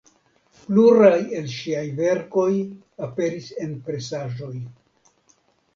Pluraj el ŝiaj verkoj aperis en presaĵoj.